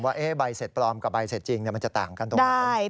ว่าใบเสร็จปลอมกับใบเสร็จจริงมันจะต่างกันตรงไหน